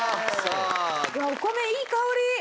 お米いい香り。